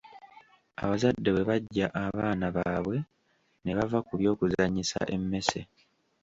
Abazadde bwe bajja abaana baabwe ne bava ku by’okuzannyisa emmese.